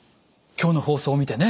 今日の放送を見てね